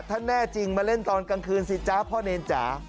ถ้าแน่จริงมาเล่นตอนกลางคืนสิจ๊ะพ่อเนรจ๋า